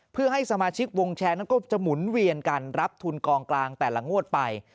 เพื่อให้สมาชิกวงแชร์นั้นก็จะหมุนเวียนกันรับทุนกองกลางแต่ละงวดไป